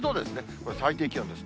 これ、最低気温です。